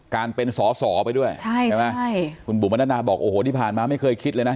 การเป็นสอสอไปด้วยใช่ไหมใช่คุณบุ๋มมนาบอกโอ้โหที่ผ่านมาไม่เคยคิดเลยนะ